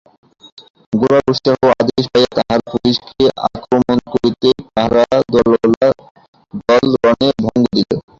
গোরার উৎসাহ ও আদেশ পাইয়া তাহারা পুলিসকে আক্রমণ করিতেই পাহারাওয়ালার দল রণে ভঙ্গ দিল।